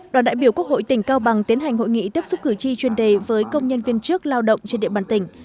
đoàn đại biểu quốc hội tỉnh cao bằng tiến hành hội nghị tiếp xúc cử tri chuyên đề với công nhân viên trước lao động trên địa bàn tỉnh